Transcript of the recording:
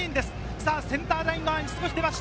さぁセンターライン側に少し出ました。